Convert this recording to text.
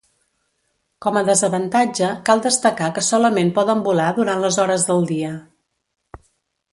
Com a desavantatge cal destacar que solament poden volar durant les hores del dia.